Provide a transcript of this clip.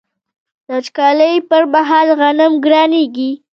د وچکالۍ پر مهال غنم ګرانیږي.